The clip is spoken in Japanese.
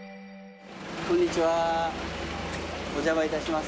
こんにちはお邪魔いたします。